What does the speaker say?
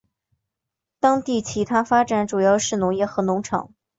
当地其它发展主要是农业和农场。